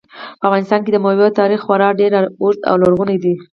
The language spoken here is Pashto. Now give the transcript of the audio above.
په افغانستان کې د مېوو تاریخ خورا ډېر اوږد او لرغونی دی.